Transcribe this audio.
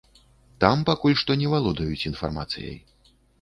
Там пакуль што не валодаюць інфармацыяй.